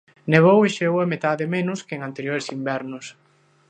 Nevou e xeou a metade menos que en anteriores invernos.